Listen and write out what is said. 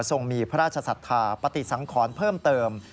ทรงมีพระราชศรัทธาปฏิสังขรเพิ่มเติม